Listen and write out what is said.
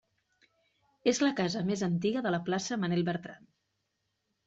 És la casa més antiga de la plaça Manel Bertran.